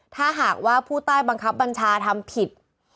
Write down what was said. ถ้าหากว่าผู้ใต้บังคับบัญชาทำผิด